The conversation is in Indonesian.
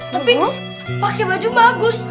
tapi pakai badhui bagus